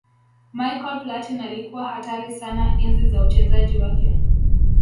michael platin alikuwa hatari sana enzi za uchezaji wake